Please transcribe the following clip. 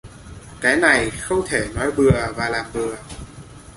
Cái này không thể nói bừa và làm bừa